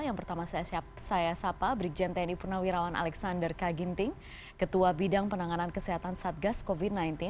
yang pertama saya sapa brigjen tni purnawirawan alexander kaginting ketua bidang penanganan kesehatan satgas covid sembilan belas